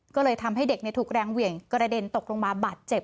ก็เลยทำให้เด็กถูกแรงเหวี่ยงกระเด็นตกลงมาบาดเจ็บ